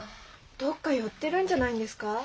どっか寄ってるんじゃないんですか？